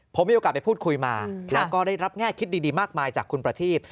ผมมีโอกาสไปพูดคุยมาแล้วก็ได้รับแง่คิดดีมากมายจากคุณประทีพ